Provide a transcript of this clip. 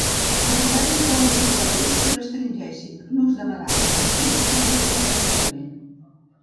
Els governs poden aprovar lleis que restringeixen l'ús de megàfons amplificats electrònicament.